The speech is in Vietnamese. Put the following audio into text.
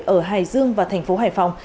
ở hải dương và thành phố hải phòng